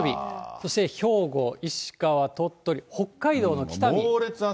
そして兵庫、石川、鳥取、北海道の北見。